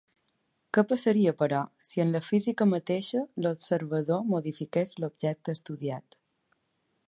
Què passaria, però, si en la física mateixa l’observador modifiqués l’objecte estudiat?